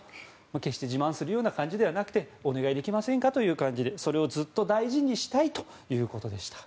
決して自慢するような感じではなくてお願いできませんかという感じでそれをずっと大事にしたいということでした。